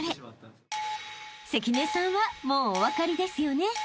［関根さんはもうお分かりですよね］